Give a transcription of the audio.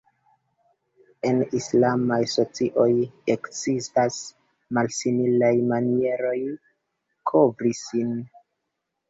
En islamaj socioj ekzistas malsimilaj manieroj kovri sin.